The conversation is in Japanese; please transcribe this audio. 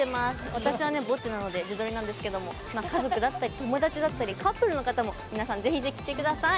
私は、ぼっちなので自撮りなんですけれども家族だったり、友達だったりカップルの方も、ぜひぜひきてください。